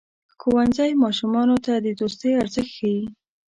ښوونځی ماشومانو ته د دوستۍ ارزښت ښيي.